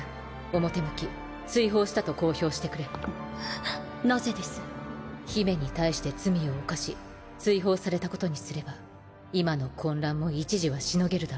表向き追放したと公表してくれ（ディ姫に対して罪を犯し追放されたことにすれば今の混乱も一時はしのげるだろう